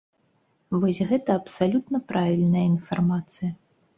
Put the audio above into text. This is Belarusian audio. Вось, гэта абсалютна правільная інфармацыя.